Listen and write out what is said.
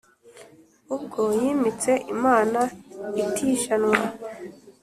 ubwo yimitse imana itijanwa